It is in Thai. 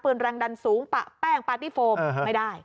ปืนรังดันสูงปะแป้งปั๊กที่โฟมไม่ได้